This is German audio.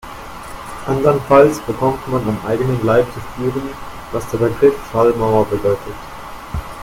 Andernfalls bekommt man am eigenen Leib zu spüren, was der Begriff Schallmauer bedeutet.